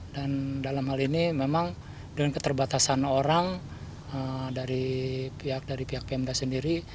dan dalam hal ini memang dengan keterbatasan orang dari pihak pihak pmd sendiri